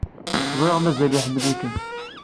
Ẓriɣ mazal iḥemmel-ikem.